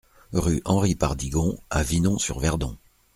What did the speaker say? Rue Henri Pardigon à Vinon-sur-Verdon